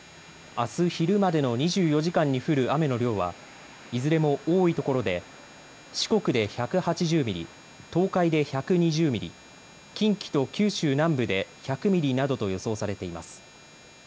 あす昼までの２４時間に降る雨の量はいずれも多いところで四国で１８０ミリ、東海で１２０ミリ、近畿と九州南部で１００ミリなどと予想されています。